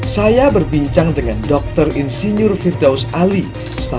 saya berbincang dengan doktor yang menjelaskan bahwa air bersih mengurangkan pengambilan air